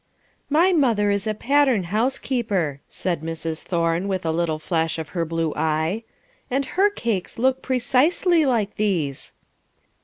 "My mother is a pattern housekeeper," said Mrs. Thorne, with a little flash of her blue eye, "and her cakes look precisely like these."